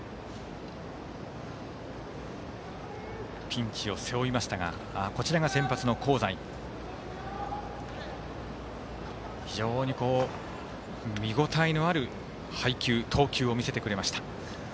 ピンチを背負いましたが非常に、見応えのある配球、投球を見せてくれました。